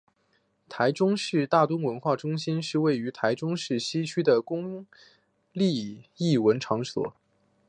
台中市立大墩文化中心是位于台中市西区的公立艺文场所。